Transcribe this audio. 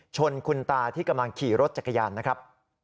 ชนคุณตาที่กำลังขี่รถจักรยานนะครับ